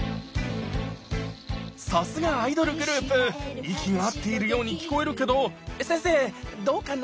さすがアイドルグループ息が合っているように聴こえるけど先生どうかな？